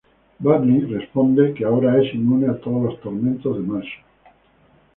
Barney responde que ahora es inmune a todos los tormentos de Marshall.